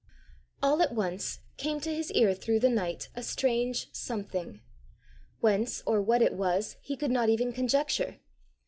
All at once came to his ear through the night a strange something. Whence or what it was he could not even conjecture.